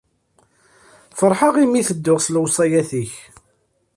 Ferḥeɣ imi i ttedduɣ s lewṣayat-ik.